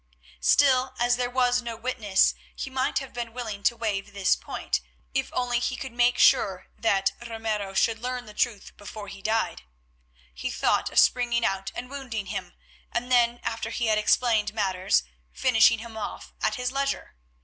Still, as there were no witnesses, he might have been willing to waive this point, if only he could make sure that Ramiro should learn the truth before he died. He thought of springing out and wounding him, and then, after he had explained matters, finishing him off at his leisure.